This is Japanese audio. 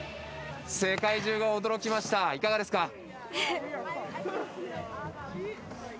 世界中が驚きました、いかがですか。